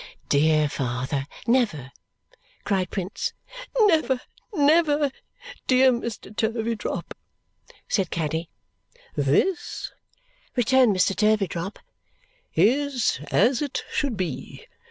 "Dear father, never!" cried Prince. "Never, never, dear Mr. Turveydrop!" said Caddy. "This," returned Mr. Turveydrop, "is as it should be.